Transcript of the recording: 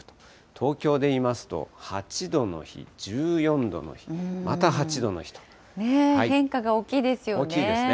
東京でいいますと、８度の日、１４度の日、変化が大きいですよね。